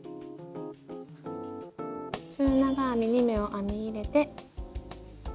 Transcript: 中長編み２目を編み入れて。